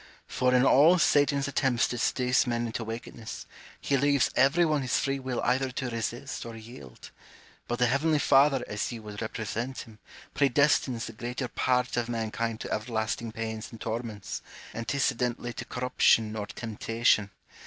For in all Satan's attempts to seduce men into wicked ness, he leaves every one his free will either to resist or yield ; but the Heavenly Father, as you would represent him, predestines the greater part of mankind to everlasting pains and torments, antecedently to corruption or temptation.